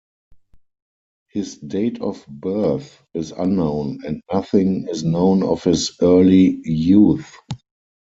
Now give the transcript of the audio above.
His date of birth is unknown, and nothing is known of his early youth.